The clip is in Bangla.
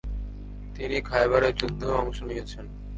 তিনি খায়বারের যুদ্ধেও অংশ নিয়েছেন।